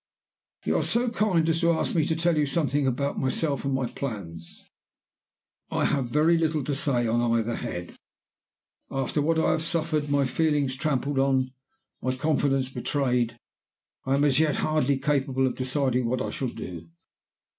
"You are so kind as to ask me to tell you something about myself and my plans. "I have very little to say on either head. After what I have suffered my feelings trampled on, my confidence betrayed I am as yet hardly capable of deciding what I shall do.